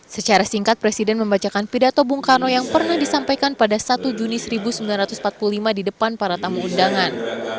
secara singkat presiden membacakan pidato bung karno yang pernah disampaikan pada satu juni seribu sembilan ratus empat puluh lima di depan para tamu undangan